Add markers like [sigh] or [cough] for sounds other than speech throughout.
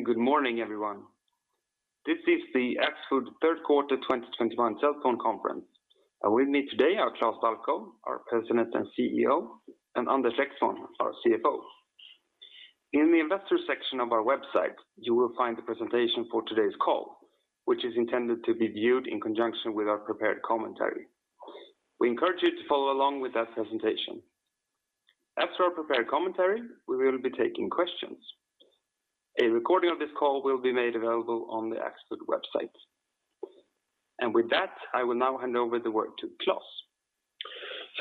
Thank you, and good morning, everyone. This is the Axfood Third Quarter 2021 Telephone Conference. With me today are Klas Balkow, our President and CEO, and Anders Lexmon, our CFO. In the investor section of our website, you will find the presentation for today's call, which is intended to be viewed in conjunction with our prepared commentary. We encourage you to follow along with that presentation. After our prepared commentary, we will be taking questions. A recording of this call will be made available on the Axfood website. With that, I will now hand over the word to Klas.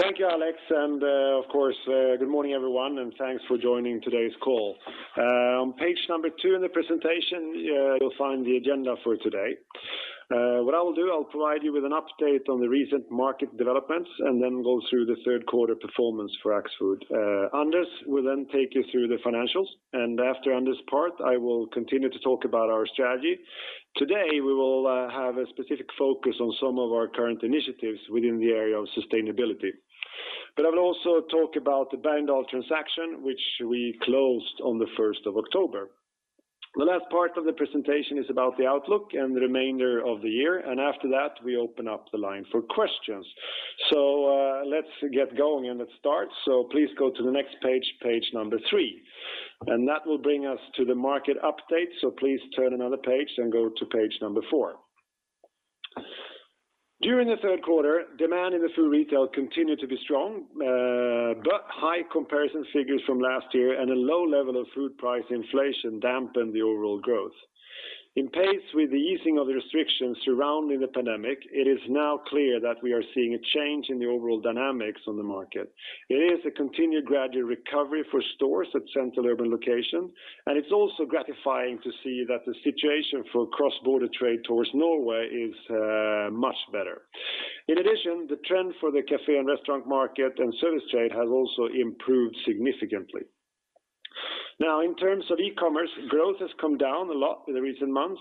Thank you, Alex, and of course, good morning, everyone, and thanks for joining today's call. On page number 2 in the presentation, you'll find the agenda for today. What I will do, I'll provide you with an update on the recent market developments and then go through the third quarter performance for Axfood. Anders will then take you through the financials, after Anders' part, I will continue to talk about our strategy. Today, we will have a specific focus on some of our current initiatives within the area of sustainability. I will also talk about the Bergendahls transaction, which we closed on the 1st of October. The last part of the presentation is about the outlook and the remainder of the year, after that, we open up the line for questions. Let's get going and let's start. Please go to the next page number 3. That will bring us to the market update. Please turn another page and go to page number 4. During the third quarter, demand in the food retail continued to be strong, but high comparison figures from last year and a low level of food price inflation dampened the overall growth. In pace with the easing of the restrictions surrounding the pandemic, it is now clear that we are seeing a change in the overall dynamics on the market. It is a continued gradual recovery for stores at central urban location, and it is also gratifying to see that the situation for cross-border trade towards Norway is much better. In addition, the trend for the café and restaurant market and service trade has also improved significantly. In terms of e-commerce, growth has come down a lot in the recent months.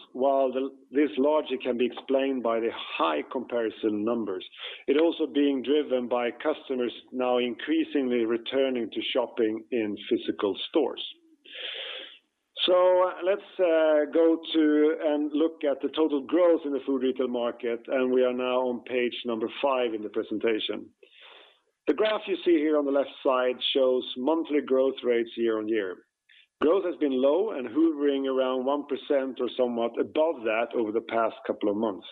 This logic can be explained by the high comparison numbers. It also being driven by customers now increasingly returning to shopping in physical stores. Let's go to and look at the total growth in the food retail market, we are now on page 5 in the presentation. The graph you see here on the left side shows monthly growth rates year-on-year. Growth has been low and hovering around 1% or somewhat above that over the past couple of months.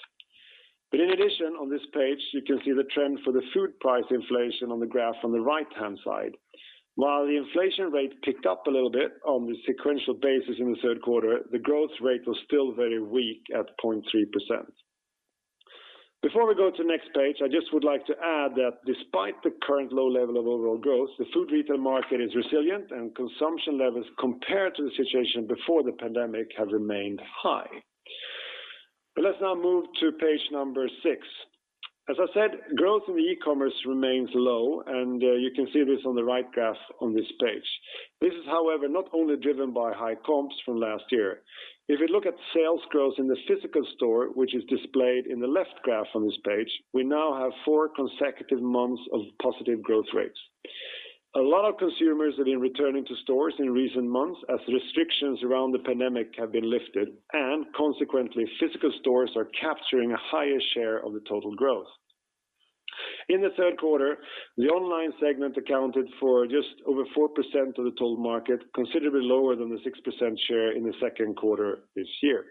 In addition, on this page, you can see the trend for the food price inflation on the graph on the right-hand side. While the inflation rate picked up a little bit on the sequential basis in the third quarter, the growth rate was still very weak at 0.3%. Before we go to the next page, I just would like to add that despite the current low level of overall growth, the food retail market is resilient and consumption levels compared to the situation before the pandemic have remained high. Let's now move to page number 6. As I said, growth in the e-commerce remains low, and you can see this on the right graph on this page. This is, however, not only driven by high comps from last year. If you look at sales growth in the physical store, which is displayed in the left graph on this page, we now have four consecutive months of positive growth rates. A lot of consumers have been returning to stores in recent months as the restrictions around the pandemic have been lifted, and consequently, physical stores are capturing a higher share of the total growth. In the third quarter, the online segment accounted for just over 4% of the total market, considerably lower than the 6% share in the second quarter this year.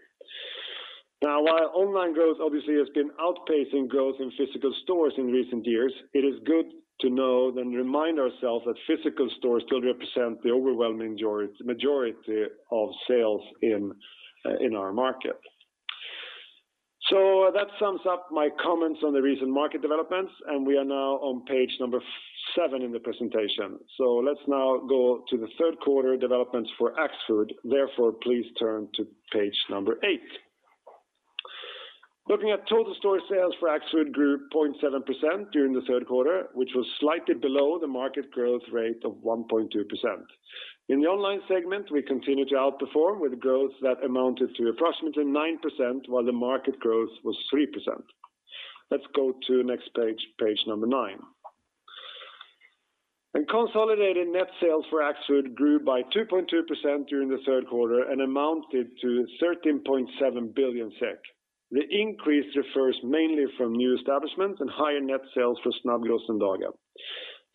Now, while online growth obviously has been outpacing growth in physical stores in recent years, it is good to know then remind ourselves that physical stores still represent the overwhelming majority of sales in our market. That sums up my comments on the recent market developments, and we are now on page number 7 in the presentation. Lets now go to the third quarter development for Axfood, therefore please turn to page number 8. Looking at total store sales for Axfood grew 0.7% during the third quarter, which was slightly below the market growth rate of 1.2%. In the online segment, we continued to outperform with growth that amounted to approximately 9%, while the market growth was 3%. Let's go to next page number 9. Consolidated net sales for Axfood grew by 2.2% during the third quarter and amounted to 13.7 billion SEK. The increase refers mainly from new establishments and higher net sales for Snabbgross and Dagab.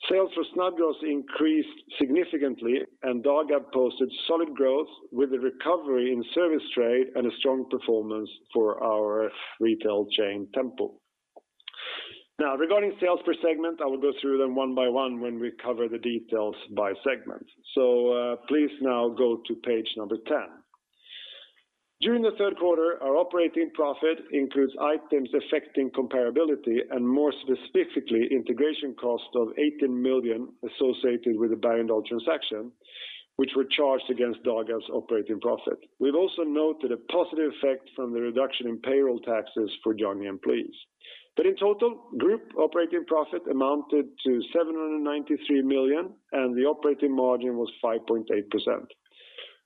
Sales for Snabbgross increased significantly, and Dagab posted solid growth with a recovery in service trade and a strong performance for our retail chain, Tempo. Regarding sales per segment, I will go through them one by one when we cover the details by segment. Please now go to page number 10. During the third quarter, our operating profit includes items affecting comparability and more specifically, integration cost of 18 million associated with the Bergendahls transaction, which were charged against Dagab's operating profit. We've also noted a positive effect from the reduction in payroll taxes for young employees. In total, group operating profit amounted to 793 million, and the operating margin was 5.8%.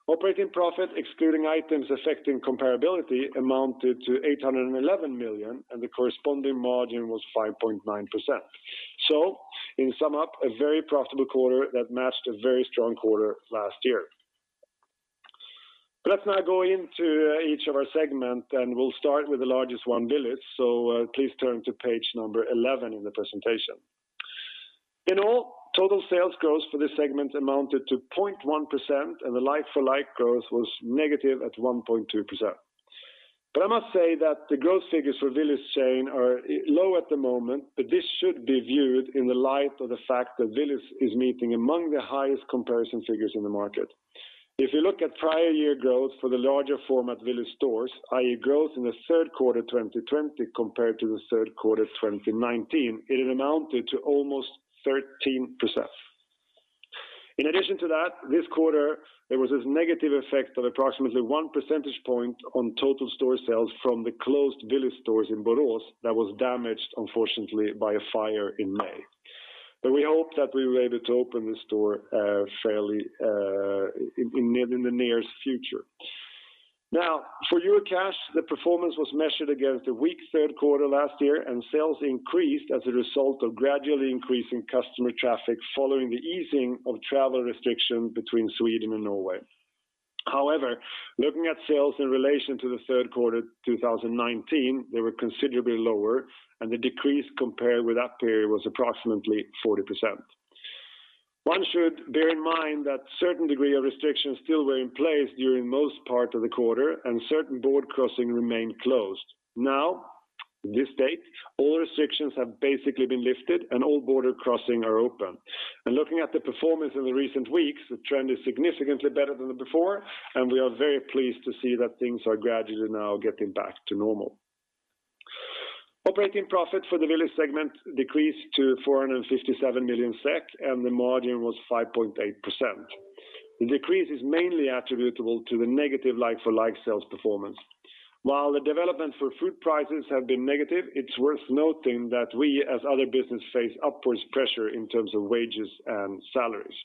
Operating profit, excluding items affecting comparability, amounted to 811 million, and the corresponding margin was 5.9%. In sum up, a very profitable quarter that matched a very strong quarter last year. Let's now go into each of our segment, and we'll start with the largest one, Willys. Please turn to page number 11 in the presentation. In all, total sales growth for this segment amounted to 0.1%, and the like-for-like growth was negative at 1.2%. I must say that the growth figures for Willys chain are low at the moment, but this should be viewed in the light of the fact that Willys is meeting among the highest comparison figures in the market. If you look at prior year growth for the larger format Willys stores, i.e. growth in the third quarter 2020 compared to the third quarter 2019, it amounted to almost 13%. In addition to that, this quarter, there was this negative effect of approximately 1 percentage point on total store sales from the closed Willys stores in Borås that was damaged, unfortunately, by a fire in May. We hope that we're able to open the store in the nearest future. Now, for Eurocash, the performance was measured against the weak third quarter last year, and sales increased as a result of gradually increasing customer traffic following the easing of travel restriction between Sweden and Norway. However, looking at sales in relation to the third quarter 2019, they were considerably lower, and the decrease compared with that period was approximately 40%. One should bear in mind that certain degree of restrictions still were in place during most part of the quarter, and certain border crossing remained closed. Now, this date, all restrictions have basically been lifted, and all border crossing are open. Looking at the performance in the recent weeks, the trend is significantly better than before, and we are very pleased to see that things are gradually now getting back to normal. Operating profit for the Willys segment decreased to 457 million SEK, and the margin was 5.8%. The decrease is mainly attributable to the negative like-for-like sales performance. While the development for food prices have been negative, it's worth noting that we, as other business, face upwards pressure in terms of wages and salaries.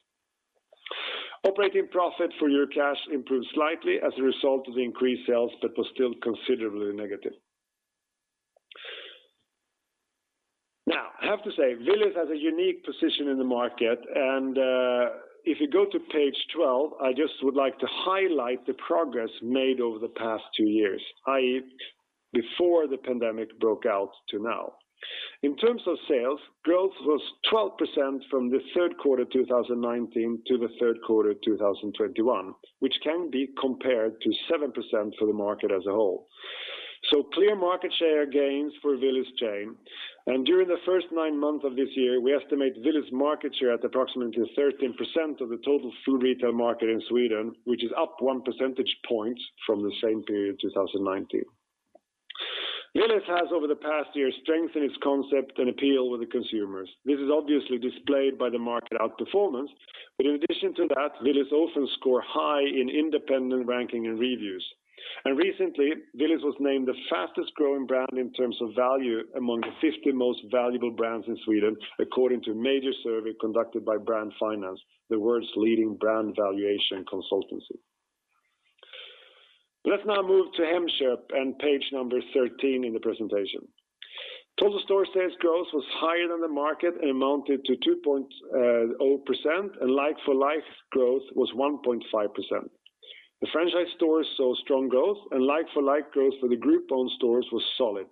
Operating profit for Eurocash improved slightly as a result of the increased sales but was still considerably negative. Now, I have to say, Willys has a unique position in the market, and if you go to page 12, I just would like to highlight the progress made over the past two years, i.e. before the pandemic broke out to now. In terms of sales, growth was 12% from the third quarter 2019 to the third quarter 2021, which can be compared to 7% for the market as a whole. Clear market share gains for Willys chain. During the first nine months of this year, we estimate Willys' market share at approximately 13% of the total food retail market in Sweden, which is up one percentage point from the same period in 2019. Willys has, over the past year, strengthened its concept and appeal with the consumers. This is obviously displayed by the market outperformance. In addition to that, Willys also score high in independent ranking and reviews. Recently, Willys was named the fastest growing brand in terms of value among the 50 most valuable brands in Sweden, according to a major survey conducted by Brand Finance, the world's leading brand valuation consultancy. Let's now move to Hemköp and page number 13 in the presentation. Total store sales growth was higher than the market and amounted to 2.0%, like-for-like growth was 1.5%. The franchise stores saw strong growth, like-for-like growth for the group-owned stores was solid.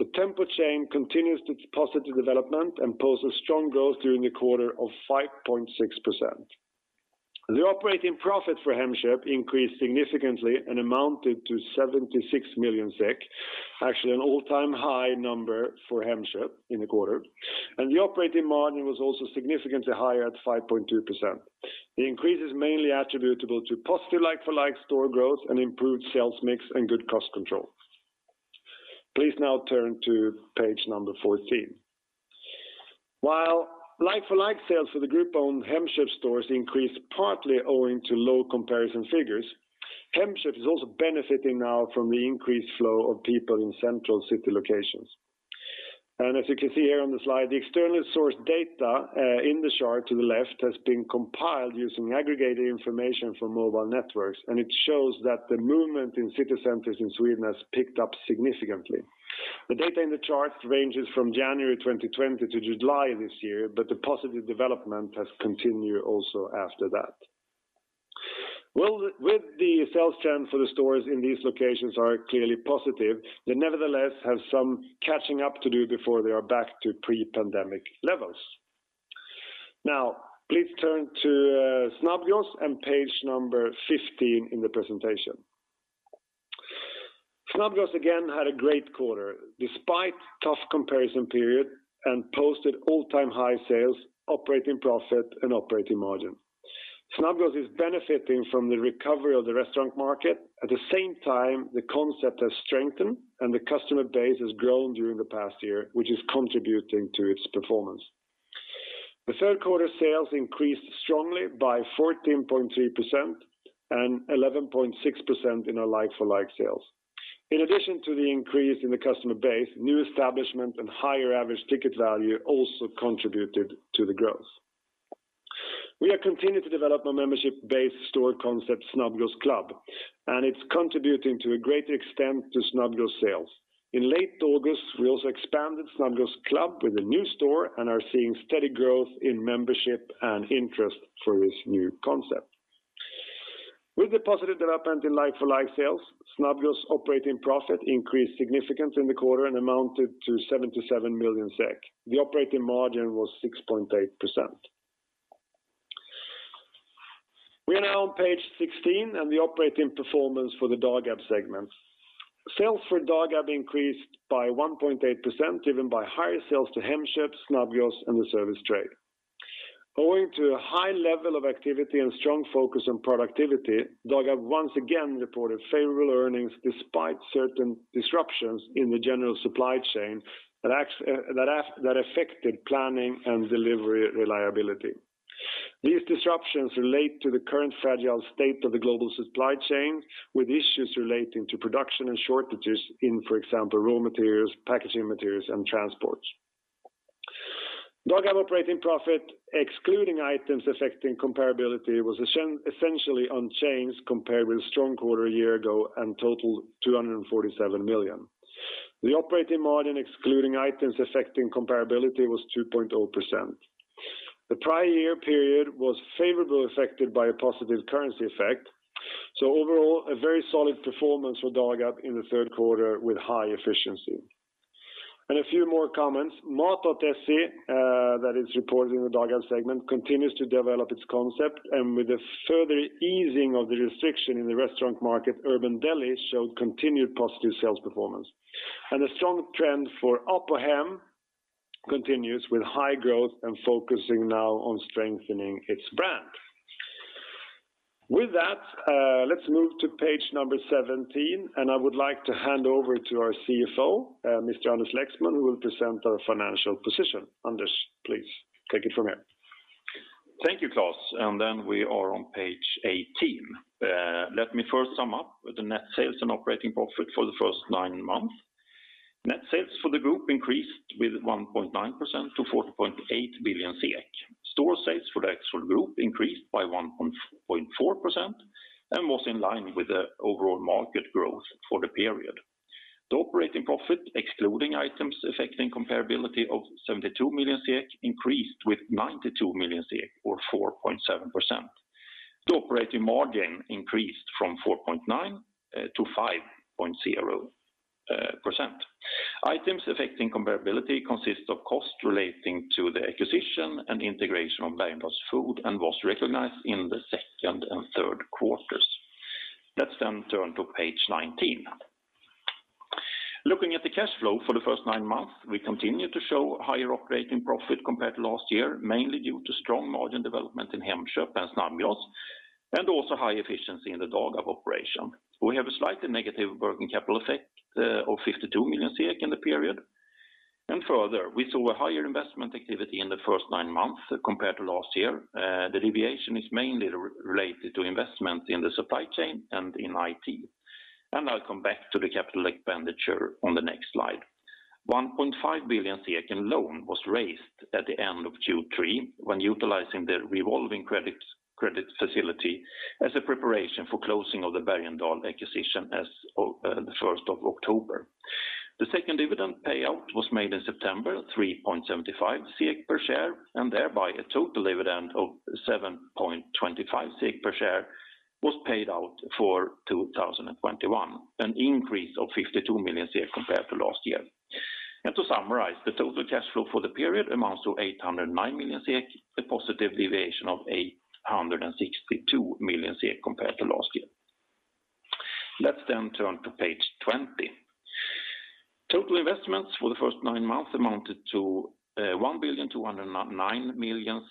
The Tempo chain continues its positive development and posted strong growth during the quarter of 5.6%. The operating profit for Hemköp increased significantly and amounted to 76 million SEK. Actually, an all-time high number for Hemköp in the quarter. The operating margin was also significantly higher at 5.2%. The increase is mainly attributable to positive like-for-like store growth and improved sales mix and good cost control. Please now turn to page number 14. While like-for-like sales for the group-owned Hemköp stores increased partly owing to low comparison figures, Hemköp is also benefiting now from the increased flow of people in central city locations. As you can see here on the slide, the external source data in the chart to the left has been compiled using aggregated information from mobile networks, and it shows that the movement in city centers in Sweden has picked up significantly. The data in the chart ranges from January 2020 to July this year, but the positive development has continued also after that. With the sales trend for the stores in these locations are clearly positive, they nevertheless have some catching up to do before they are back to pre-pandemic levels. Now, please turn to Snabbgross in page 15 in the presentation. Snabbgross, again, had a great quarter, despite tough comparison period and posted all-time high sales, operating profit, and operating margin. Snabbgross is benefiting from the recovery of the restaurant market. At the same time, the concept has strengthened, and the customer base has grown during the past year, which is contributing to its performance. The third quarter sales increased strongly by 14.3% and 11.6% in our like-for-like sales. In addition to the increase in the customer base, new establishment and higher average ticket value also contributed to the growth. We have continued to develop our membership-based store concept, Snabbgross Club, and it's contributing to a great extent to Snabbgross sales. In late August, we also expanded Snabbgross Club with a new store and are seeing steady growth in membership and interest for this new concept. With the positive development in like-for-like sales, Snabbgross operating profit increased significantly in the quarter and amounted to 77 million SEK. The operating margin was 6.8%. We are now on page 16 and the operating performance for the Dagab segment. Sales for Dagab increased by 1.8%, driven by higher sales to Hemköp, Snabbgross and the service trade. Owing to a high level of activity and strong focus on productivity, Dagab once again reported favorable earnings despite certain disruptions in the general supply chain that affected planning and delivery reliability. These disruptions relate to the current fragile state of the global supply chain, with issues relating to production and shortages in, for example, raw materials, packaging materials and transports. Dagab operating profit, excluding items affecting comparability, was essentially unchanged compared with the strong quarter a year ago and totaled 247 million. The operating margin, excluding items affecting comparability, was 2.0%. The prior year period was favorably affected by a positive currency effect. Overall, a very solid performance for Dagab in the third quarter with high efficiency. A few more comments. Mat.se, that is reported in the Dagab segment, continues to develop its concept and with a further easing of the restriction in the restaurant market, Urban Deli showed continued positive sales performance. A strong trend for Apohem continues with high growth and focusing now on strengthening its brand. With that, let's move to page number 17, and I would like to hand over to our CFO, Mr. Anders Lexmon, who will present our financial position. Anders, please take it from here. Thank you, Klas. We are on page 18. Let me first sum up with the net sales and operating profit for the first nine months. Net sales for the Group increased with 1.9% to 4.8 billion. Store sales for the Axfood Group increased by 1.4% and was in line with the overall market growth for the period. The operating profit, excluding items affecting comparability of 72 million, increased with 92 million or 4.7%. The operating margin increased from 4.9%-5.0%. Items affecting comparability consist of costs relating to the acquisition and integration of Bergendahls Food and was recognized in the second and third quarters. Let's turn to page 19. Looking at the cash flow for the first nine months, we continue to show higher operating profit compared to last year, mainly due to strong margin development in Hemköp and Snabbgross, also high efficiency in the Dagab operation. We have a slightly negative working capital effect of 52 million in the period. Further, we saw a higher investment activity in the first nine months compared to last year. The deviation is mainly related to investment in the supply chain and in IT. I'll come back to the capital expenditure on the next slide. 1.5 billion in loan was raised at the end of Q3 when utilizing the revolving credit facility as a preparation for closing of the Bergendahls acquisition as of the 1st of October. The second dividend payout was made in September, 3.75 per share, and thereby a total dividend of 7.25 per share was paid out for 2021, an increase of 52 million compared to last year. To summarize, the total cash flow for the period amounts to 809 million, a positive deviation of 862 million compared to last year. Let's then turn to page 20. Total investments for the first nine months amounted to 1,209 million,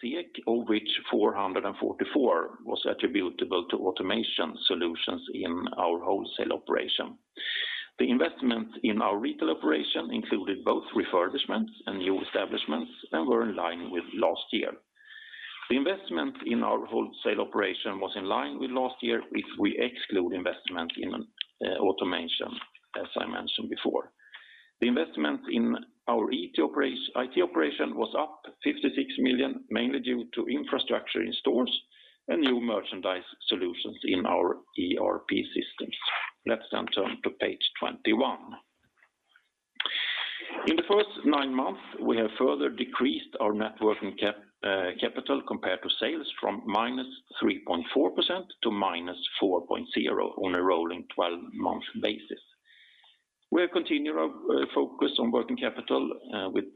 of which 444 million was attributable to automation solutions in our wholesale operation. The investment in our retail operation included both refurbishments and new establishments and were in line with last year. The investment in our wholesale operation was in line with last year if we exclude investment in automation, as I mentioned before. The investment in our IT operation was up 56 million, mainly due to infrastructure in stores and new merchandise solutions in our ERP systems. Let's turn to page 21. In the first nine months, we have further decreased our net working capital compared to sales from -3.4% to -4.0% on a rolling 12-month basis. We have continued our focus on working capital with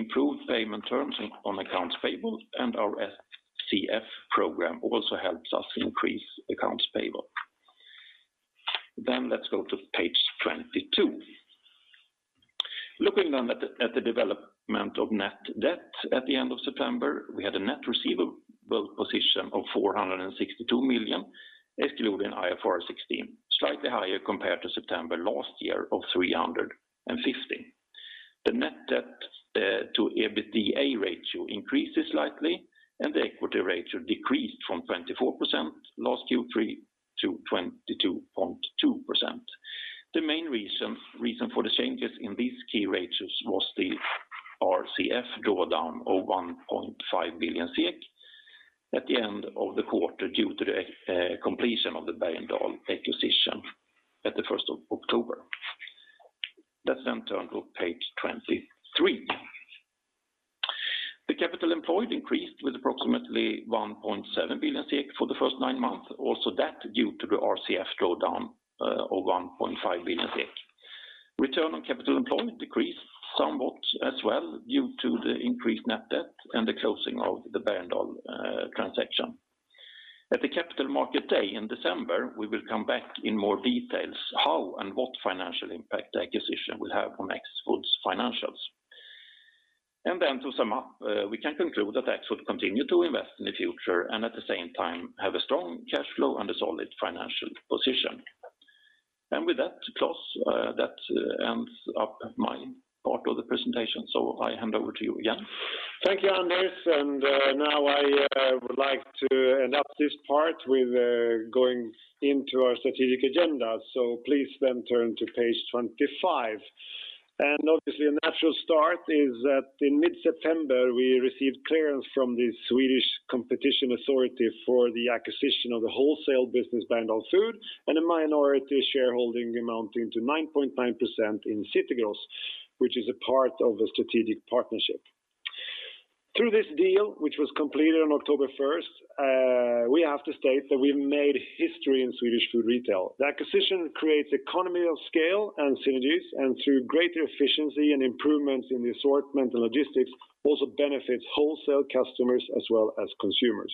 improved payment terms on accounts payable, and our SCF program also helps us increase accounts payable. Let's go to page 22. Looking then at the development of net debt at the end of September, we had a net receivable position of 462 million, excluding IFRS 16, slightly higher compared to September last year of 350 million. The net debt to EBITDA ratio increases slightly and the equity ratio decreased from 24% last Q3 to 22.2%. The main reason for the changes in these key ratios was the RCF drawdown of 1.5 billion SEK at the end of the quarter due to the completion of the Bergendahls acquisition at the 1st of October. Let's turn to page 23. The capital employed increased with approximately 1.7 billion for the first nine months, also that due to the RCF drawdown of 1.5 billion. Return on capital employment decreased somewhat as well due to the increased net debt and the closing of the Bergendahls transaction. At the Capital Markets Day in December, we will come back in more details how and what financial impact the acquisition will have on Axfood's financials. To sum up, we can conclude that Axfood continue to invest in the future and at the same time have a strong cash flow and a solid financial position. With that, Klas, that ends up my part of the presentation. I hand over to you again. Thank you, Anders. Now I would like to end up this part with going into our strategic agenda. Please then turn to page 25. Obviously a natural start is that in mid-September, we received clearance from the Swedish Competition Authority for the acquisition of the wholesale business Bergendahls Food and a minority shareholding amounting to 9.9% in City Gross, which is a part of a strategic partnership. Through this deal, which was completed on October 1st, we have to state that we've made history in Swedish food retail. The acquisition creates economy of scale and synergies, and through greater efficiency and improvements in the assortment and logistics, also benefits wholesale customers as well as consumers.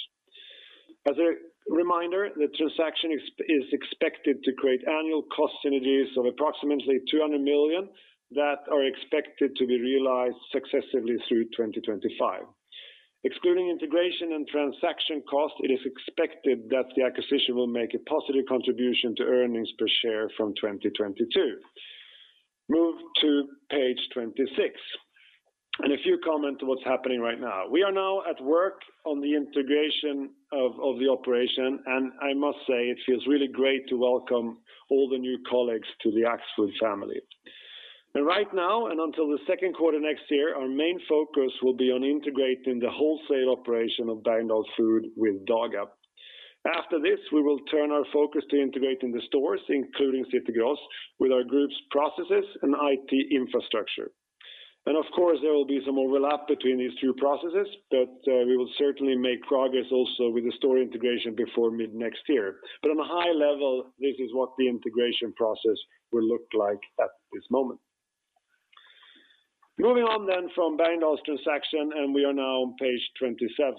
As a reminder, the transaction is expected to create annual cost synergies of approximately 200 million that are expected to be realized successively through 2025. Excluding integration and transaction costs, it is expected that the acquisition will make a positive contribution to earnings per share from 2022. Move to page 26, a few comments on what's happening right now. We are now at work on the integration of the operation, and I must say it feels really great to welcome all the new colleagues to the Axfood family. Right now, until the second quarter next year, our main focus will be on integrating the wholesale operation of Bergendahls Food with Dagab. After this, we will turn our focus to integrating the stores, including City Gross, with our group's processes and IT infrastructure. Of course, there will be some overlap between these two processes, but we will certainly make progress also with the store integration before mid-next year. On a high level, this is what the integration process will look like at this moment. Moving on then from Bergendahls transaction, and we are now on page 27.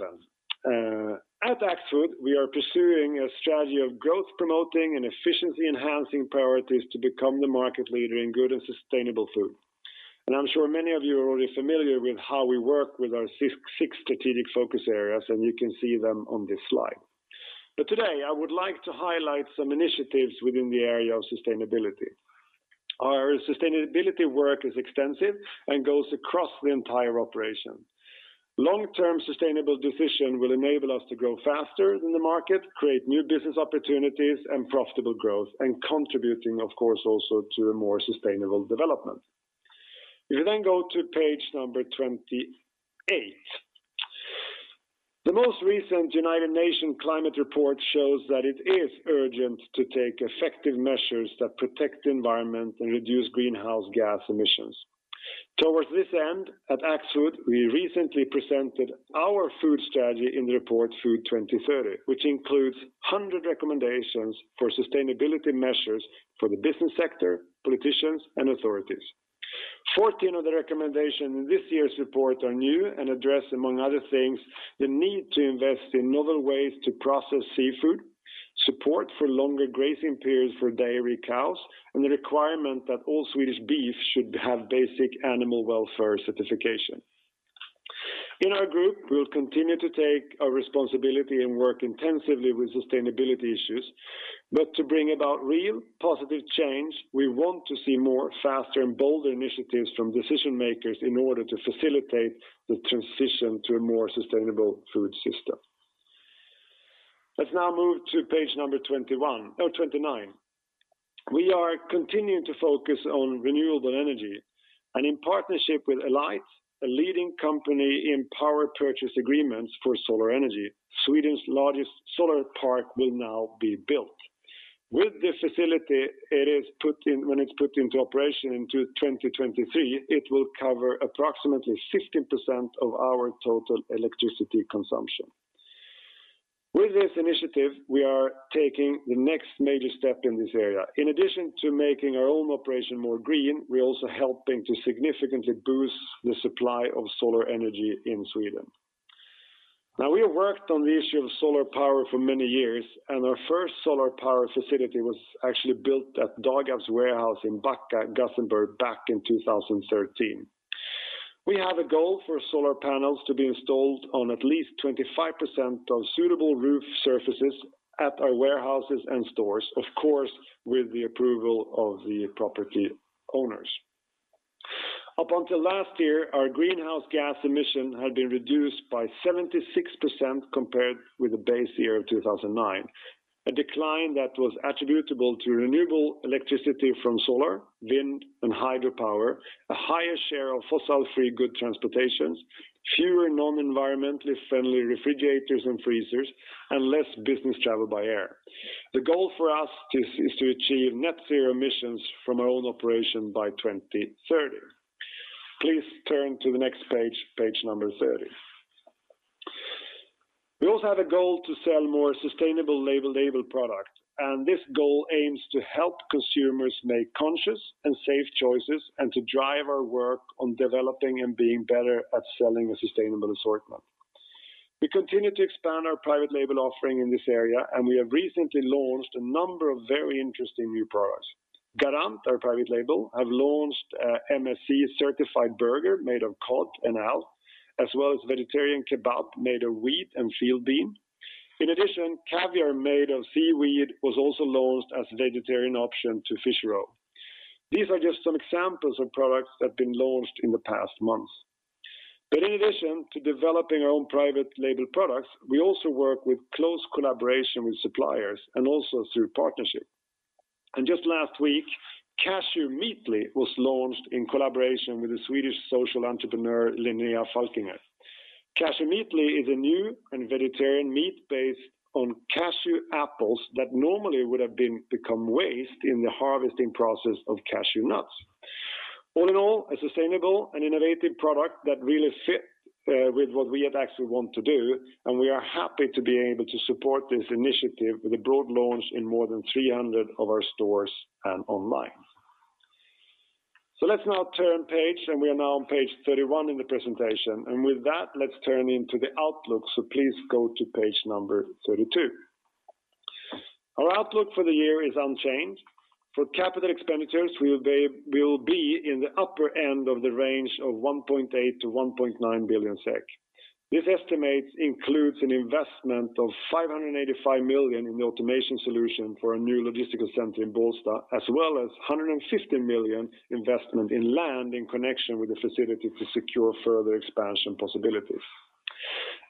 At Axfood, we are pursuing a strategy of growth-promoting and efficiency-enhancing priorities to become the market leader in good and sustainable food. I'm sure many of you are already familiar with how we work with our six strategic focus areas, and you can see them on this slide. Today, I would like to highlight some initiatives within the area of sustainability. Our sustainability work is extensive and goes across the entire operation. Long-term sustainable decisions will enable us to grow faster than the market, create new business opportunities and profitable growth, and contributing, of course also to a more sustainable development. If you then go to page number 28. The most recent United Nations climate report shows that it is urgent to take effective measures that protect the environment and reduce greenhouse gas emissions. Towards this end, at Axfood, we recently presented our food strategy in the report Food 2030, which includes 100 recommendations for sustainability measures for the business sector, politicians, and authorities. 14 of the recommendations in this year's report are new and address, among other things, the need to invest in novel ways to process seafood, support for longer grazing periods for dairy cows, and the requirement that all Swedish beef should have basic animal welfare certification. In our group, we will continue to take our responsibility and work intensively with sustainability issues, but to bring about real positive change, we want to see more faster and bolder initiatives from decision-makers in order to facilitate the transition to a more sustainable food system. Let's now move to page number 29. We are continuing to focus on renewable energy and in partnership with Alight, a leading company in power purchase agreements for solar energy, Sweden's largest solar park will now be built. With this facility, when it's put into operation in 2023, it will cover approximately 15% of our total electricity consumption. With this initiative, we are taking the next major step in this area. In addition to making our own operation more green, we're also helping to significantly boost the supply of solar energy in Sweden. We have worked on the issue of solar power for many years, and our first solar power facility was actually built at Dagab's warehouse in Backa, Gothenburg, back in 2013. We have a goal for solar panels to be installed on at least 25% of suitable roof surfaces at our warehouses and stores, of course, with the approval of the property owners. Up until last year, our greenhouse gas emissions had been reduced by 76% compared with the base year of 2009. A decline that was attributable to renewable electricity from solar, wind, and hydropower, a higher share of fossil-free goods transportations, fewer non-environmentally friendly refrigerators and freezers, and less business travel by air. The goal for us is to achieve net zero emissions from our own operations by 2030. Please turn to the next page number 30. We also have a goal to sell more sustainable label products. This goal aims to help consumers make conscious and safe choices and to drive our work on developing and being better at selling a sustainable assortment. We continue to expand our private label offering in this area. We have recently launched a number of very interesting new products. Garant, our private label, have launched MSC certified burger made of cod and hake, as well as vegetarian kebab made of wheat and field bean. In addition, caviar made of seaweed was also launched as a vegetarian option to fish roe. These are just some examples of products that have been launched in the past months. In addition to developing our own private label products, we also work with close collaboration with suppliers and also through partnership. Just last week, Cashewmeetly was launched in collaboration with the Swedish social entrepreneur, Linnéa Falkinger. Cashewmeetly is a new and vegetarian meat based on cashew apples that normally would have become waste in the harvesting process of cashew nuts. All in all, a sustainable and innovative product that really fit with what we actually want to do, and we are happy to be able to support this initiative with a broad launch in more than 300 of our stores and online. Let's now turn page, and we are now on page 31 in the presentation. With that, let's turn into the outlook. Please go to page number 32. Our outlook for the year is unchanged. For capital expenditures, we will be in the upper end of the range of 1.8 billion-1.9 billion SEK. This estimate includes an investment of 585 million in the automation solution for a new logistical center in Bålsta, as well as 150 million investment in land in connection with the facility to secure further expansion possibilities.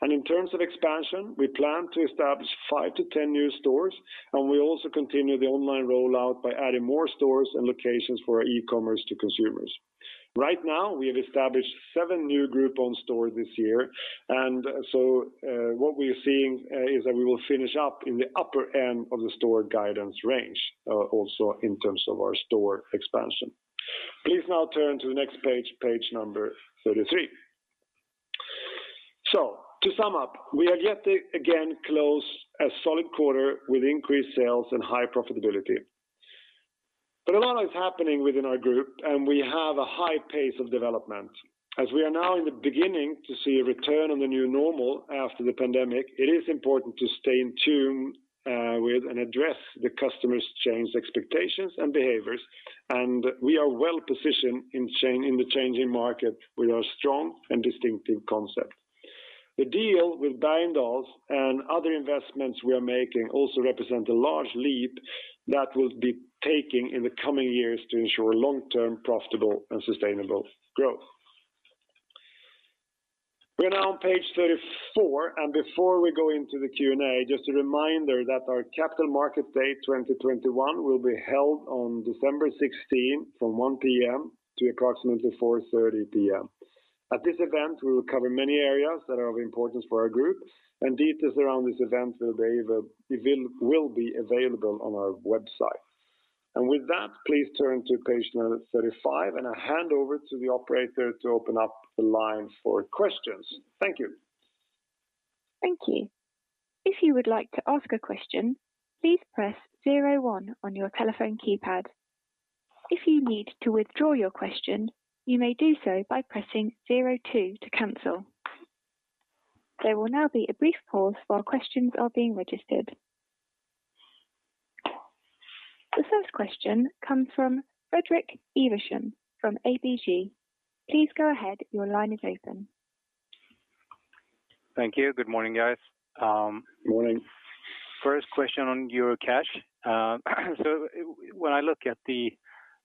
In terms of expansion, we plan to establish 5-10 new stores, and we also continue the online rollout by adding more stores and locations for our e-commerce to consumers. Right now, we have established seven new Group-owned stores this year. What we're seeing is that we will finish up in the upper end of the store guidance range, also in terms of our store expansion. Please now turn to the next page number 33. To sum up, we are yet to again close a solid quarter with increased sales and high profitability. A lot is happening within our group, and we have a high pace of development. As we are now in the beginning to see a return on the new normal after the pandemic, it is important to stay in tune with and address the customers' changed expectations and behaviors. We are well positioned in the changing market with our strong and distinctive concept. The deal with Bergendahls and other investments we are making also represent a large leap that we'll be taking in the coming years to ensure long-term profitable and sustainable growth. We're now on page 34. Before we go into the Q&A, just a reminder that our Capital Markets Day 2021 will be held on December 16 from 1:00 P.M. to approximately 4:30 P.M. At this event, we will cover many areas that are of importance for our group. Details around this event will be available on our website. With that, please turn to page number 35, and I hand over to the operator to open up the line for questions. Thank you. Thank you. If you will like to ask a question, please press zero one on your telephone keypad. If you need to withdraw your question, you may do so by pressing zero two to cancel. They'll now be a brief pause while questions are being registered. The first question comes from Fredrik Ivarsson from ABG. Please go ahead. Your line is open. Thank you. Good morning, guys. Morning. First question on Eurocash. When I look at the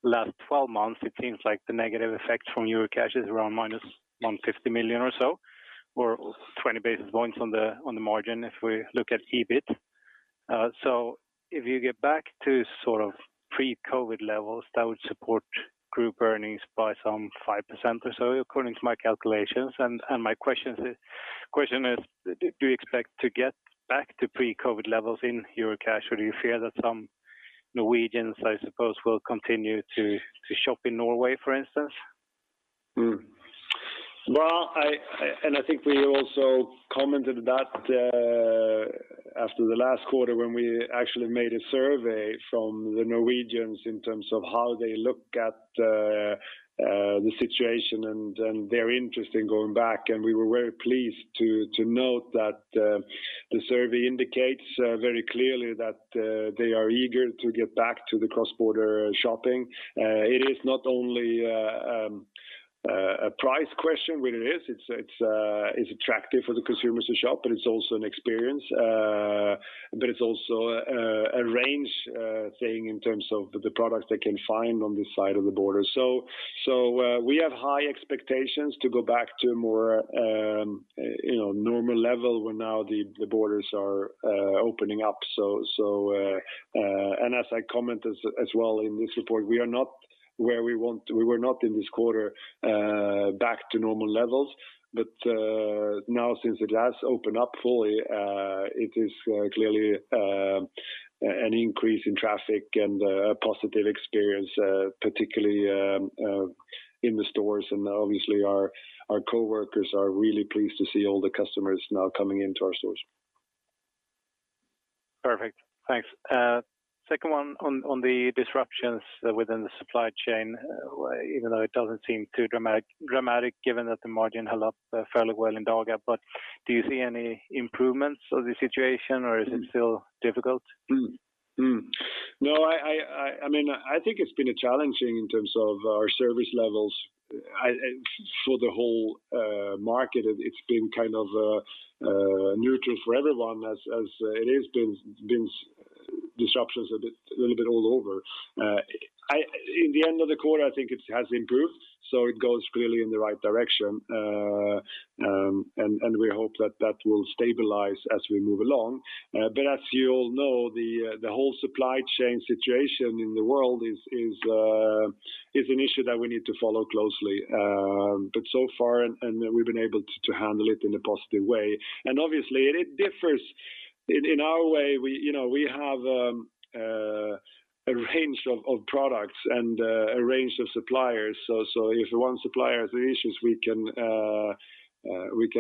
last 12 months, it seems like the negative effect from Eurocash is around minus 150 million or so, or 20 basis points on the margin if we look at EBIT. If you get back to pre-COVID levels, that would support group earnings by some 5% or so, according to my calculations. My question is, do you expect to get back to pre-COVID levels in Eurocash, or do you fear that some Norwegians, I suppose, will continue to shop in Norway, for instance? Well, I think we also commented that after the last quarter when we actually made a survey from the Norwegians in terms of how they look at the situation and their interest in going back. We were very pleased to note that the survey indicates very clearly that they are eager to get back to the cross-border shopping. It is not only a price question, well it is. It's attractive for the consumers to shop, it's also an experience. It's also a range thing in terms of the products they can find on this side of the border. We have high expectations to go back to a more normal level where now the borders are opening up. As I commented as well in this report, we were not in this quarter back to normal levels. Now since it has opened up fully, it is clearly an increase in traffic and a positive experience, particularly in the stores. Obviously our coworkers are really pleased to see all the customers now coming into our stores. Perfect. Thanks. Second one on the disruptions within the supply chain, even though it doesn't seem too dramatic, given that the margin held up fairly well in Dagab. Do you see any improvements of the situation or is it still difficult? No, I think it's been challenging in terms of our service levels. For the whole market, it's been neutral for everyone as it has been disruptions a little bit all over. In the end of the quarter, I think it has improved. It goes clearly in the right direction. We hope that that will stabilize as we move along. As you all know, the whole supply chain situation in the world is an issue that we need to follow closely. So far, we've been able to handle it in a positive way. Obviously, it differs in our way. We have a range of products and a range of suppliers. If one supplier has issues, we can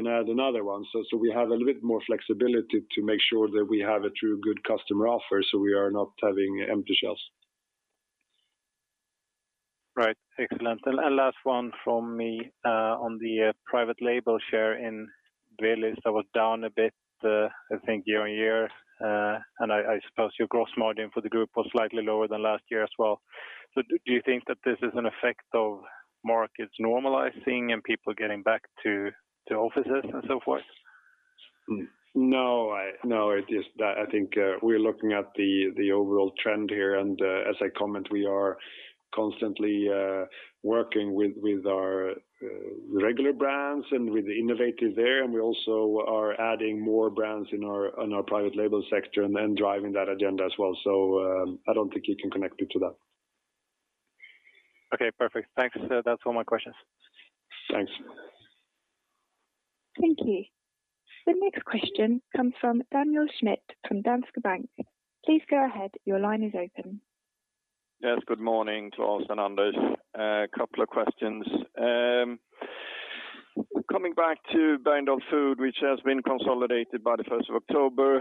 add another one. We have a little bit more flexibility to make sure that we have a true good customer offer so we are not having empty shelves. Right. Excellent. Last one from me, on the private label share in Willys, that was down a bit, I think year-over-year. I suppose your gross margin for the group was slightly lower than last year as well. Do you think that this is an effect of markets normalizing and people getting back to offices and so forth? No, I think we're looking at the overall trend here. As I comment, we are constantly working with our regular brands and with innovative there. We also are adding more brands in our private label sector and then driving that agenda as well. I don't think you can connect it to that. Okay, perfect. Thanks. That's all my questions. Thanks. Thank you. The next question comes from Daniel Schmidt from Danske Bank. Please go ahead. Your line is open. Yes, good morning, Klas and Anders. A couple of questions. Coming back to Bergendahls Food, which has been consolidated by the 1st of October.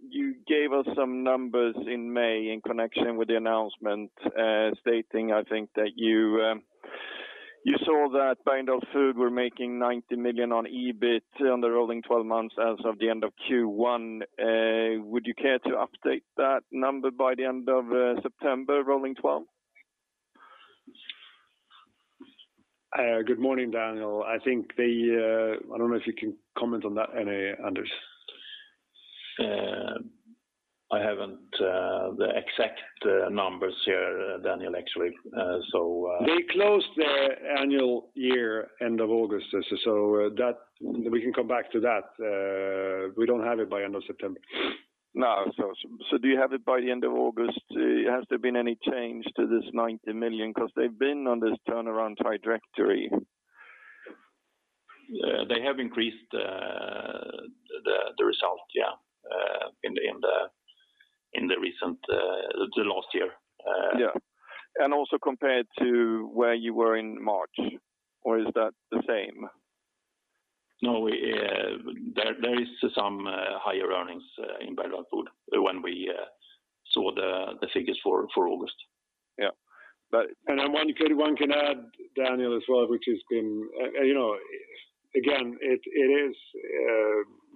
You gave us some numbers in May in connection with the announcement, stating, I think that you saw that Bergendahls Food were making 90 million on EBIT on the rolling 12 months as of the end of Q1. Would you care to update that number by the end of September rolling 12? Good morning, Daniel. I don't know if you can comment on that any, Anders? I haven't the exact numbers here, Daniel, actually. They closed their annual year end of August. We can come back to that. We don't have it by end of September. No. Do you have it by the end of August? Has there been any change to this 90 million? They've been on this turnaround trajectory. They have increased the result, yeah, in the recent last year. Yeah. Also compared to where you were in March or is that the same? No, there is some higher earnings in Bergendahls Food when we saw the figures for August. Yeah. One can add, Daniel, as well, again,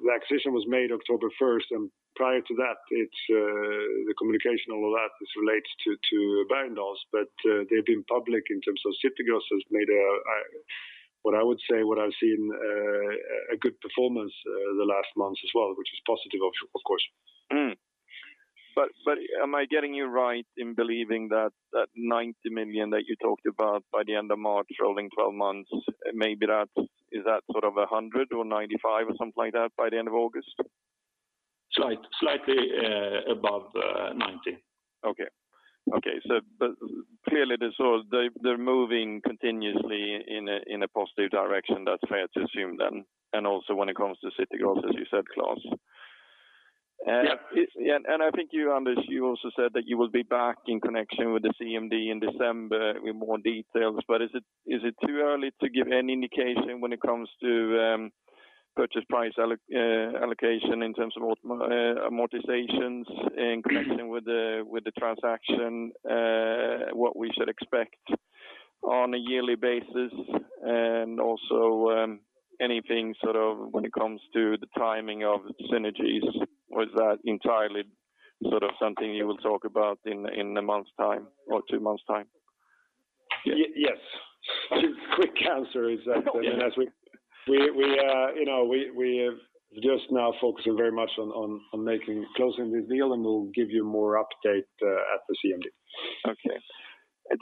that decision was made October 1st, and prior to that, the communication, all of that is related to Bergendahls. They've been public in terms of City Gross has made, what I would say what I've seen a good performance the last month as well, which is positive of course. Am I getting you right in believing that 90 million that you talked about by the end of March rolling 12 months, maybe is that sort of 100 million or 95 million or something like that by the end of August? Slightly above 90 million. Okay. Clearly they're moving continuously in a positive direction. That's fair to assume then. Also when it comes to City Gross, as you said, Klas. Yeah. I think you, Anders, you also said that you will be back in connection with the CMD in December with more details. Is it too early to give any indication when it comes to purchase price allocation in terms of amortizations in connection with the transaction? What we should expect on a yearly basis? Also anything sort of when it comes to the timing of synergies? Was that entirely sort of something you will talk about in one month's time or two months' time? Yes. Quick answer. Oh, yeah. We are just now focusing very much on closing this deal, and we'll give you more update at the CMD. Okay.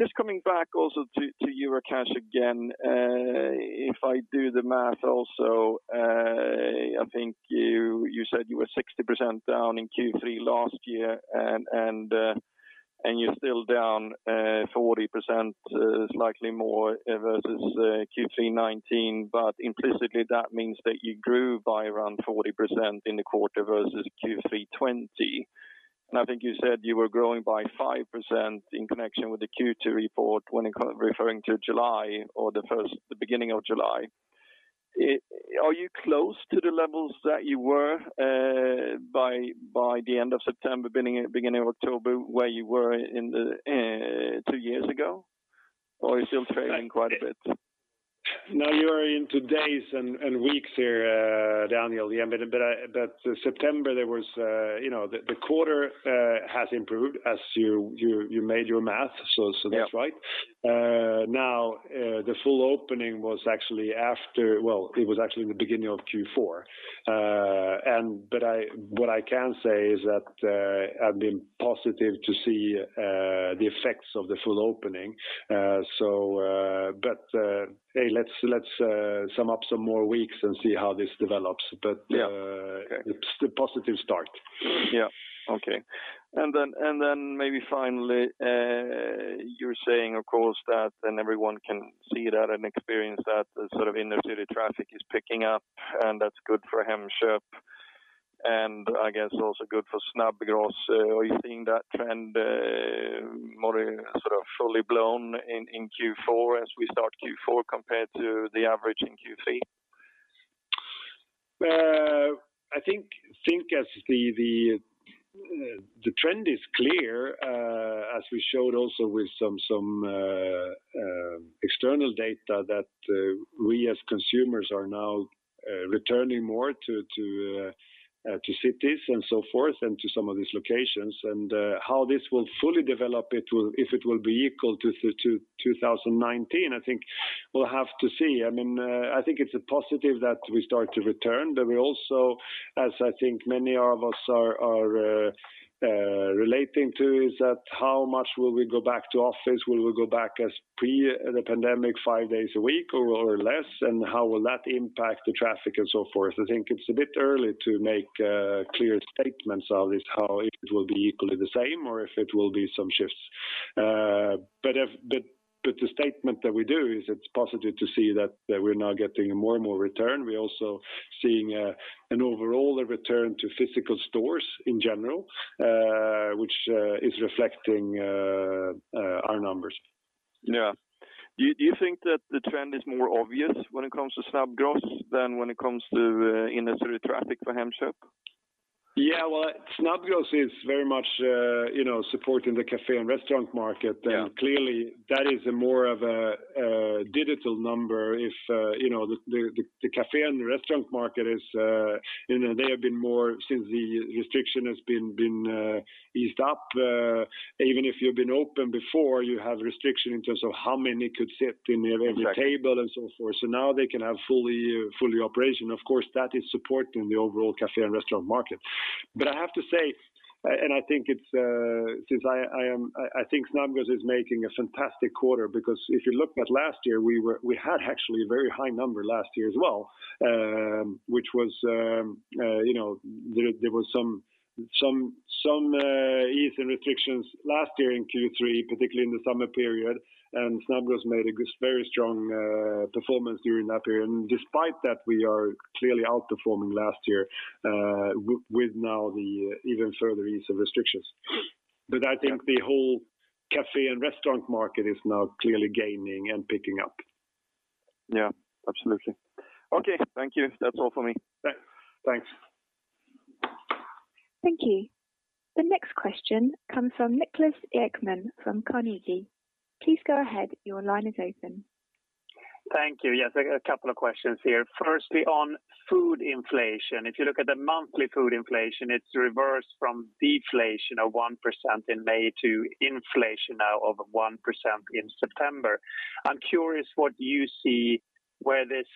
Just coming back also to Eurocash again. If I do the math also, I think you said you were 60% down in Q3 last year, and you're still down 40%, slightly more versus Q3 2019. Implicitly, that means that you grew by around 40% in the quarter versus Q3 2020. I think you said you were growing by 5% in connection with the Q2 report when referring to July or the beginning of July. Are you close to the levels that you were by the end of September, beginning of October, where you were two years ago, or are you still trailing quite a bit? Now you are into days and weeks here, Daniel. September, the quarter has improved as you made your math. Yeah.. That's right. Now, the full opening was actually in the beginning of Q4. What I can say is that I've been positive to see the effects of the full opening. Hey, let's sum up some more weeks and see how this develops. Yeah. Okay. It's a positive start. Yeah. Okay. Then maybe finally, you're saying, of course, that everyone can see that and experience that the inner city traffic is picking up, and that's good for Hemköp, and I guess also good for Snabbgross. Are you seeing that trend more fully blown in Q4 as we start Q4 compared to the average in Q3? I think the trend is clear, as we showed also with some external data that we, as consumers, are now returning more to cities and so forth and to some of these locations. How this will fully develop, if it will be equal to 2019, I think we'll have to see. I think it's positive that we start to return. We also, as I think many of us are relating to, is that how much will we go back to office? Will we go back as pre-the pandemic, five days a week or less? How will that impact the traffic and so forth? I think it's a bit early to make clear statements of this, how it will be equally the same or if it will be some shifts. The statement that we do is it's positive to see that we're now getting more and more return. We're also seeing an overall return to physical stores in general, which is reflecting our numbers. Yeah. Do you think that the trend is more obvious when it comes to Snabbgross than when it comes to inner city traffic for Hemköp? Yeah. Snabbgross is very much supporting the café and restaurant market. Yeah. Clearly, that is more of a digital number. The café and restaurant market, since the restriction has been eased up, even if you've been open before, you have restriction in terms of how many could sit in every table and so forth. Exactly. Now they can have fully operation. Of course, that is supporting the overall café and restaurant market. I have to say, I think Snabbgross is making a fantastic quarter because if you look at last year, we had actually a very high number last year as well. There was some ease in restrictions last year in Q3, particularly in the summer period, and Snabbgross made a very strong performance during that period. Despite that, we are clearly outperforming last year with now the even further ease of restrictions. I think the whole café and restaurant market is now clearly gaining and picking up. Yeah, absolutely. Okay. Thank you. That's all for me. Thanks. Thank you. The next question comes from Niklas Ekman from Carnegie. Please go ahead. Your line is open. Thank you. Yes, I got a couple of questions here. Firstly, on food inflation. If you look at the monthly food inflation, it's reversed from deflation of 1% in May to inflation now of 1% in September. I'm curious what you see where this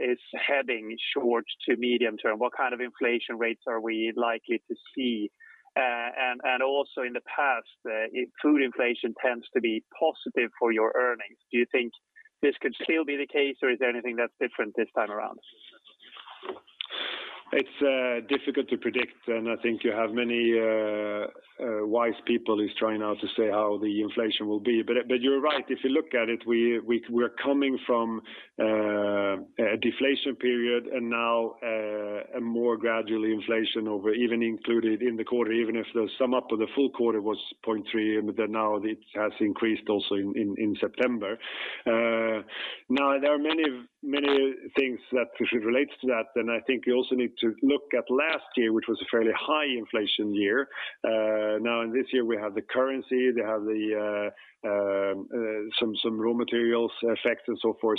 is heading short to medium term. What kind of inflation rates are we likely to see? Also in the past, food inflation tends to be positive for your earnings. Do you think this could still be the case, or is there anything that's different this time around? It's difficult to predict. I think you have many wise people who's trying now to say how the inflation will be. You're right. If you look at it, we're coming from a deflation period and now a more gradual inflation over, even included in the quarter, even if the sum up of the full quarter was 0.3%. Now it has increased also in September. There are many things that relates to that, and I think we also need to look at last year, which was a fairly high inflation year. In this year, we have the currency, they have some raw materials effects and so forth.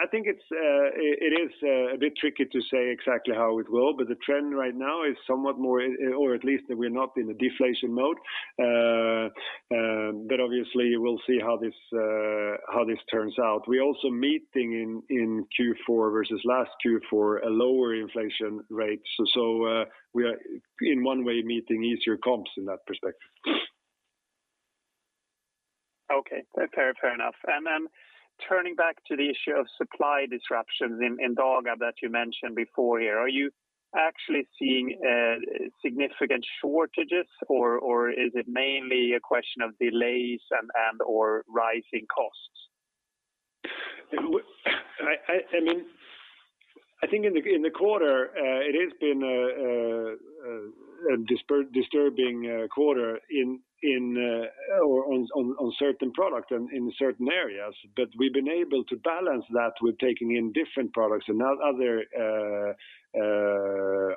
I think it is a bit tricky to say exactly how it will, but the trend right now is somewhat more or at least that we're not in a deflation mode. Obviously we'll see how this turns out. We're also meeting in Q4 versus last Q4, a lower inflation rate. We are in one way meeting easier comps in that perspective. Okay. Fair enough. Turning back to the issue of supply disruptions in Dagab that you mentioned before here, are you actually seeing significant shortages or is it mainly a question of delays and/or rising costs? I think in the quarter, it has been a disturbing quarter on certain products and in certain areas. We've been able to balance that with taking in different products and other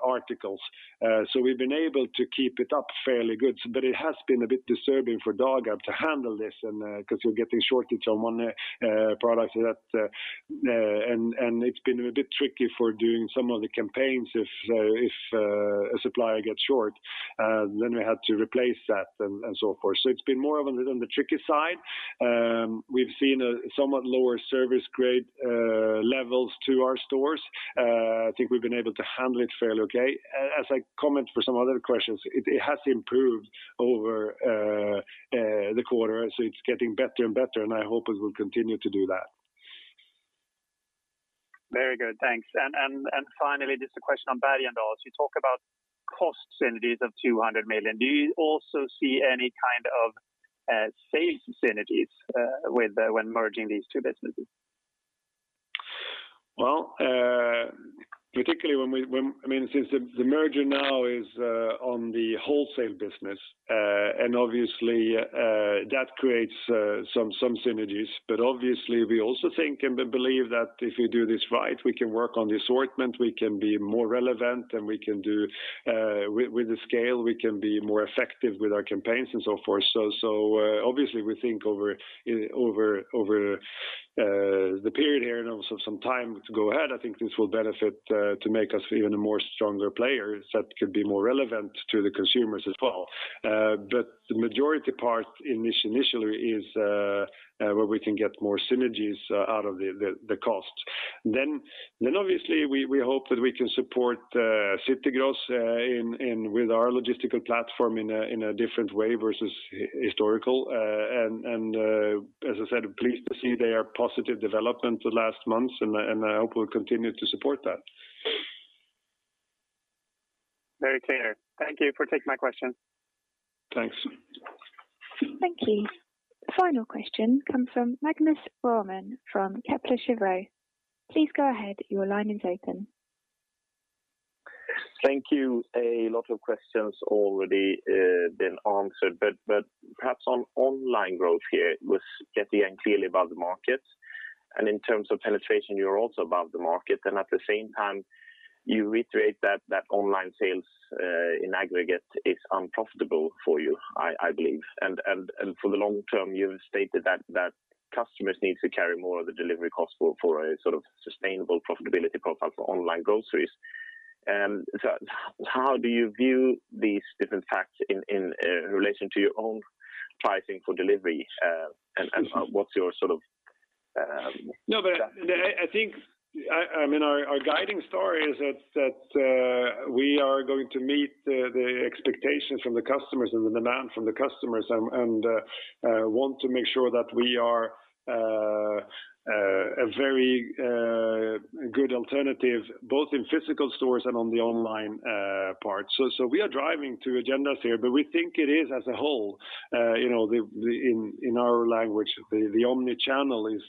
articles. We've been able to keep it up fairly good, but it has been a bit disturbing for Dagab to handle this because we're getting shortage on one product. It's been a bit tricky for doing some of the campaigns if a supplier gets short, then we have to replace that and so forth. It's been more on the tricky side. We've seen a somewhat lower service grade levels to our stores. I think we've been able to handle it fairly okay. As I comment for some other questions, it has improved over the quarter, so it's getting better and better, and I hope it will continue to do that. Very good, thanks. Finally, just a question on Bergendahls. You talk about cost synergies of 200 million. Do you also see any kind of sales synergies when merging these two businesses? Well, since the merger now is on the wholesale business, obviously that creates some synergies, but obviously we also think and believe that if you do this right, we can work on the assortment, we can be more relevant, and with the scale, we can be more effective with our campaigns and so forth. Obviously, we think over the period here and also some time to go ahead, I think this will benefit to make us even a more stronger player that could be more relevant to the consumers as well. The majority part initially is where we can get more synergies out of the costs. Then obviously, we hope that we can support City Gross with our logistical platform in a different way versus historical. As I said, pleased to see their positive development the last months, and I hope we'll continue to support that. Very clear. Thank you for taking my question. Thanks. Thank you. Final question comes from Magnus Råman from Kepler Cheuvreux. Please go ahead. Your line is open. Thank you. A lot of questions already been answered, but perhaps on online growth here with getting clearly above the market and in terms of penetration, you're also above the market. At the same time, you reiterate that online sales in aggregate is unprofitable for you, I believe. For the long term, you've stated that customers need to carry more of the delivery cost for a sort of sustainable profitability profile for online groceries. How do you view these different facts in relation to your own pricing for delivery? No, I think our guiding star is that we are going to meet the expectations from the customers and the demand from the customers and want to make sure that we are a very good alternative, both in physical stores and on the online part. We are driving two agendas here, but we think it is as a whole in our language, the omnichannel is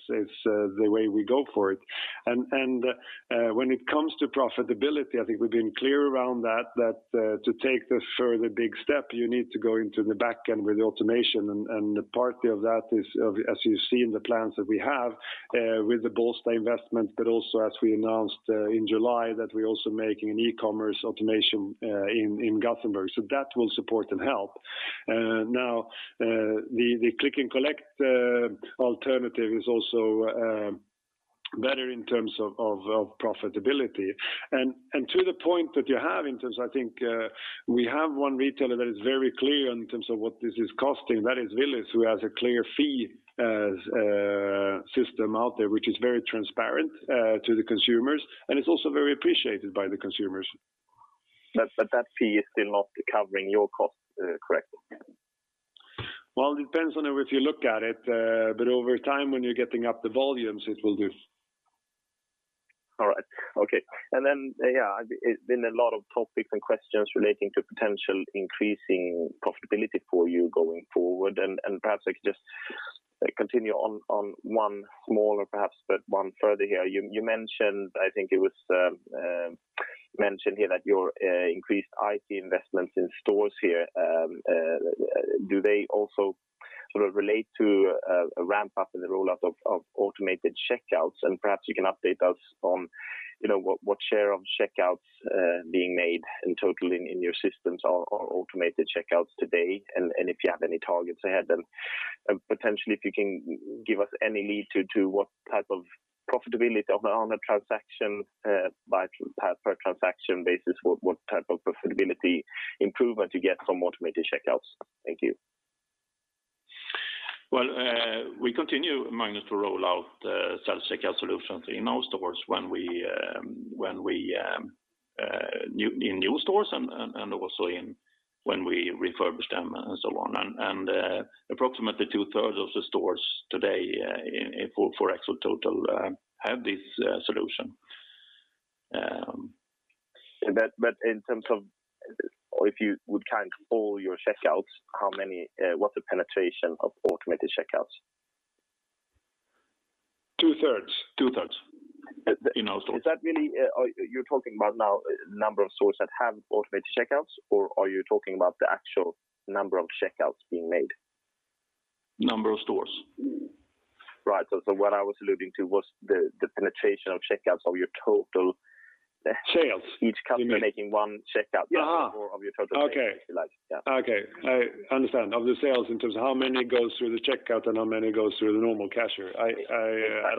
the way we go for it. When it comes to profitability, I think we've been clear around that to take the further big step you need to go into the backend with automation. The part of that is as you see in the plans that we have with the Bålsta investment, but also as we announced in July that we're also making an e-commerce automation in Gothenburg. That will support some help. Now the click and collect alternative is also better in terms of profitability. And to the point that you have, I think we have one retailer that is very clear in terms of what this is costing. That is Willys, who has a clear fee system out there, which is very transparent to the consumers, and it's also very appreciated by the consumers. That fee is still not covering your cost, correct? Well, it depends on how you look at it. Over time when you're getting up the volumes, it will do. All right. Okay. Yeah, there's been a lot of topics and questions relating to potential increasing profitability for you going forward. Perhaps I could just continue on one smaller perhaps, but one further here. You mentioned, I think it was mentioned here that your increased IT investments in stores here, do they also relate to a ramp-up in the rollout of automated checkouts? Perhaps you can update us on what share of checkouts being made in total in your systems are automated checkouts today and if you have any targets ahead, then potentially if you can give us any lead to what type of profitability on a transaction by per transaction basis, what type of profitability improvement you get from automated checkouts. Thank you. Well, we continue, Magnus, to roll out self-checkout solutions in our stores in new stores and also when we refurbish them and so on. Approximately two-thirds of the stores today for Axfood total have this solution. In terms of if you would count all your checkouts, what's the penetration of automated checkouts? Two-thirds in our stores. You're talking about now number of stores that have automated checkouts or are you talking about the actual number of checkouts being made? Number of stores. Right. What I was alluding to was the penetration of checkouts of your total- Sales - each customer making one checkout- Yeah. - of your total sales. Okay. I understand. Of the sales in terms of how many goes through the checkout and how many goes through the normal cashier? I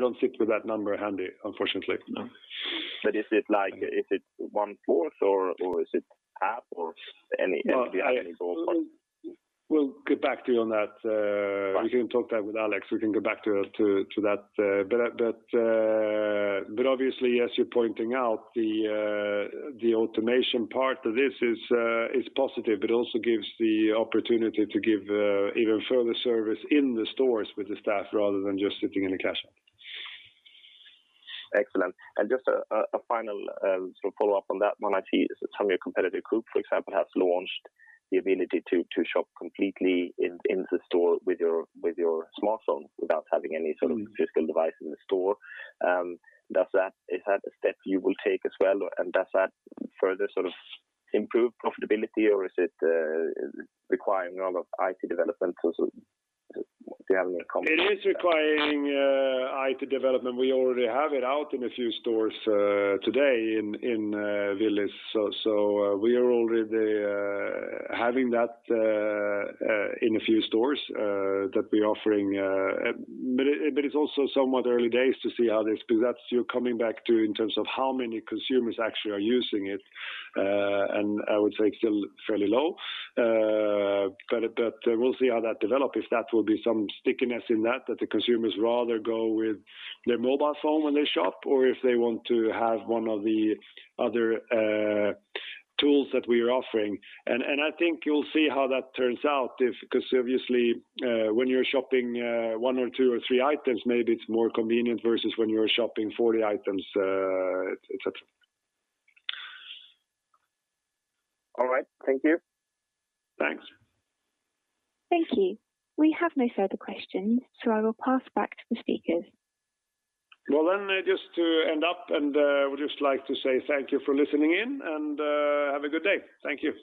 don't sit with that number handy, unfortunately. No. Is it one-fourth or is it half or any [crosstalk] We'll get back to you on that. Right. We can talk that with Alex. We can get back to that. Obviously as you're pointing out, the automation part of this is positive, but also gives the opportunity to give even further service in the stores with the staff rather than just sitting in the cashier. Excellent. Just a final follow-up on that one. I see some of your competitive group, for example, has launched the ability to shop completely in the store with your smartphone without having any sort of physical device in the store. Is that a step you will take as well and does that further improve profitability or is it requiring a lot of IT development? Do you have any comments? It is requiring IT development. We already have it out in a few stores today in Willys. We are already having that in a few stores that we're offering. It's also somewhat early days to see because that's you're coming back to in terms of how many consumers actually are using it. I would say it's still fairly low. We'll see how that develop, if that will be some stickiness in that the consumers rather go with their mobile phone when they shop or if they want to have one of the other tools that we are offering. I think you'll see how that turns out because obviously, when you're shopping one or two or three items, maybe it's more convenient versus when you're shopping 40 items, et cetera. All right. Thank you. Thanks. Thank you. We have no further questions, so I will pass back to the speakers. Well then, just to end up and would just like to say thank you for listening in and have a good day. Thank you.